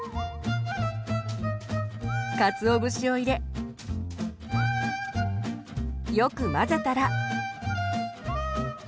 かつお節を入れよく混ぜたら。